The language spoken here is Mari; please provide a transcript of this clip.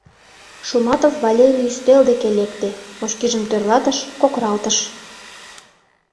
Шуматов Валерий ӱстел деке лекте, очкижым тӧрлатыш, кокыралтыш.